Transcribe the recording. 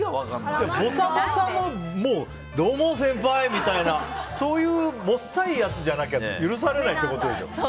ぼさぼさのどうも、先輩みたいなそういう、もさいやつじゃなきゃ許されないってことでしょ。